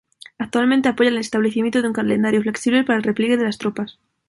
Actualmente apoya el establecimiento de un calendario flexible para el repliegue de las tropas.